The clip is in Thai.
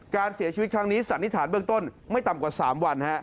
การเสียชีวิตครั้งนี้สันนิษฐานเบื้องต้นไม่ต่ำกว่า๓วัน